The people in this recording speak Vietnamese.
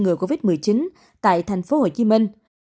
ngừa covid một mươi chín tại thành phố hồ chí minh